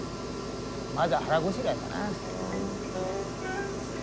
まずは腹ごしらえだな。